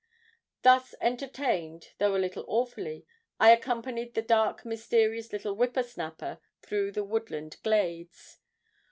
Thus entertained, though a little awfully, I accompanied the dark mysterious little 'whipper snapper' through the woodland glades.